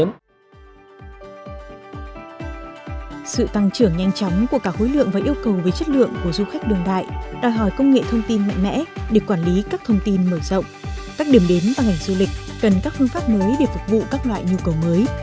nói lượng và yêu cầu về chất lượng của du khách đường đại đòi hỏi công nghệ thông tin mạnh mẽ để quản lý các thông tin mở rộng các điểm đến và ngành du lịch cần các phương pháp mới để phục vụ các loại nhu cầu mới